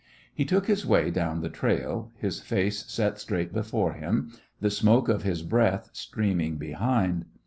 He took his way down the trail, his face set straight before him, the smoke of his breath streaming behind.